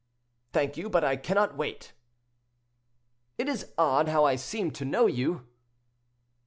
"Thank you; but I cannot wait." "It is odd how I seem to know you."